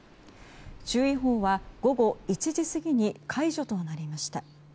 注意報は、午後１時過ぎに解除となりました。